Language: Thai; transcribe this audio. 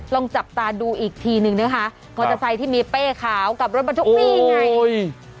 ลองจับตาดูอีกทีนึงนะคะมอเตอร์ไซค์ที่มีเป้ขาวกับรถบรรทุกนี่ไง